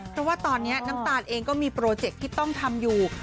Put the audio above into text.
เพราะว่าตอนนี้น้ำตาลเองก็มีโปรเจคที่ต้องทำอยู่